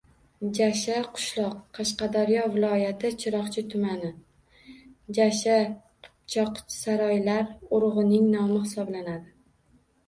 Jasha – qishloq, Qashqadaryo viloyati Chiroqchi tumani. Jasha – qipchoqsaroylar urug‘ining nomi hisoblanadi.